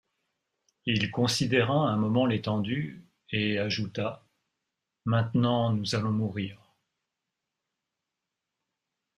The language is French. Il considéra un moment l’étendue et ajouta: — Maintenant nous allons mourir.